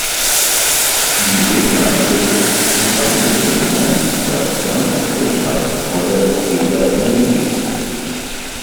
Die Leda bildet zusammen mit der Jümme das landschaftlich reizvolle Leda-Jümme-Gebiet.